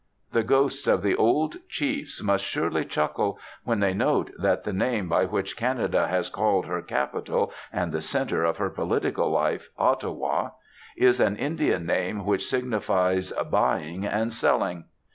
The ghosts of the old chiefs must surely chuckle when they note that the name by which Canada has called her capital and the centre of her political life, Ottawa, is an Indian name which signifies 'buying and selling.'